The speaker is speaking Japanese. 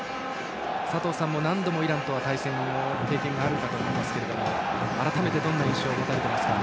佐藤さんも、何度もイランとは対戦の経験があると思いますが改めて、どんな印象ですか。